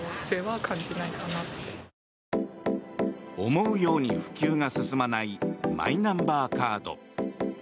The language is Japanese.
思うように普及が進まないマイナンバーカード。